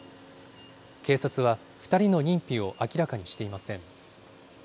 警察は２人の認否を明らかにしていません。